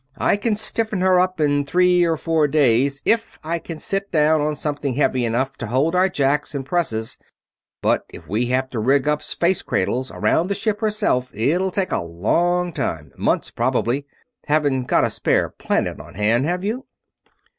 I can stiffen her up in three or four days if I can sit down on something heavy enough to hold our jacks and presses; but if we have to rig up space cradles around the ship herself it'll take a long time months, probably. Haven't got a spare planet on hand, have you?"